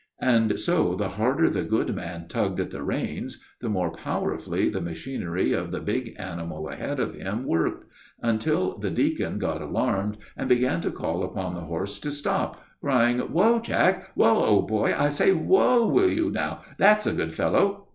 And so, the harder the good man tugged at the reins, the more powerfully the machinery of the big animal ahead of him worked, until the deacon got alarmed, and began to call upon the horse to stop, crying, "Whoa, Jack! whoa, old boy, I say! Whoa, will you now, that's a good fellow!"